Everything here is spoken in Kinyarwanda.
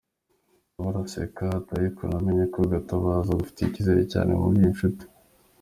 Nawe araseka, ati ariko nanamenye ko Gatabazi agufitiye icyizere cyane muri n’inshuti.